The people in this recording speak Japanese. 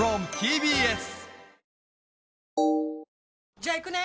じゃあ行くね！